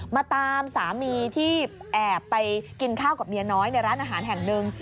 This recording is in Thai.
มาตามสามีที่แอบไปกินข้าวกับเมียน้อยในร้านอาหารแห่งหนึ่ง